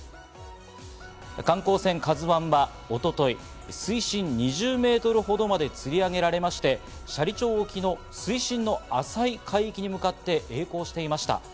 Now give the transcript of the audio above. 観光船「ＫＡＺＵ１」が一昨日、水深２０メートルほどまでつり上げられまして、斜里町沖の水深が浅い海域に向かってえい航していました。